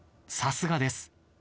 さすがです。